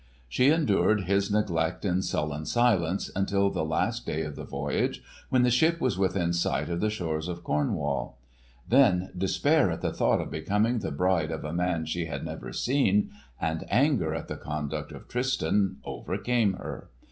She endured his neglect in sullen silence until the last day of the voyage, when the ship was within sight of the shores of Cornwall. Then despair at the thought of becoming the bride of a man she had never seen, and anger at the conduct of Tristan, overcame her.